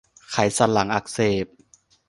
ไขสันหลังอักเสบ